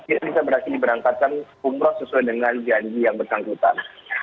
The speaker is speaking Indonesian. kita bisa berhasil diberangkatkan umroh sesuai dengan janji yang bersangkutan